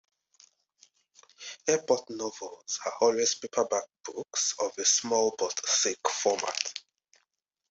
Airport novels are always paperback books of a small but thick format.